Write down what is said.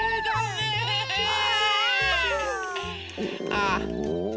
ああ。